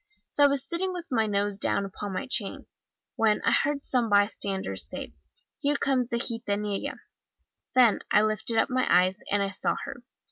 So I was sitting with my nose down upon my chain, when I heard some bystanders say, 'Here comes the gitanella!' Then I lifted up my eyes, and I saw her!